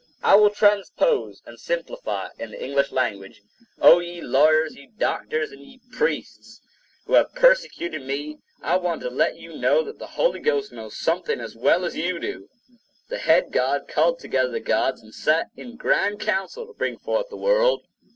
I will transpose and simplify it in the English language. Oh, ye lawyers, ye doctors, and ye priests, who have persecuted me, I want to let you know that the Holy Ghost knows something as well as you do. The head God called together the gods and sat in grand council to bring forth the world.